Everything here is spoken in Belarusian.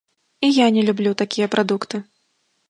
І я не люблю такія прадукты.